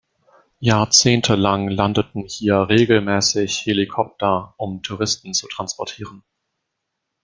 Jahrzehntelang landeten hier regelmäßig Helikopter, um Touristen zu transportieren.